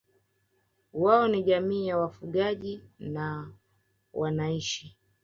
wao ni jamii ya wafugaji na wanaishi